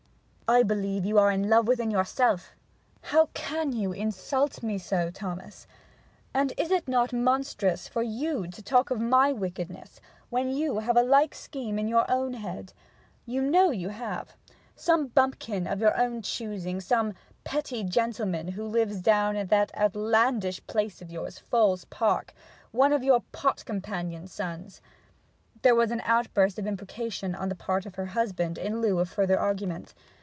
'I believe you are in love with en yourself!' 'How can you insult me so, Thomas! And is it not monstrous for you to talk of my wickedness when you have a like scheme in your own head? You know you have. Some bumpkin of your own choosing some petty gentleman who lives down at that outlandish place of yours, Falls Park one of your pot companions' sons ' There was an outburst of imprecation on the part of her husband in lieu of further argument.